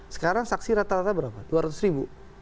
sekarang saksi rata rata berapa dua ratus ribu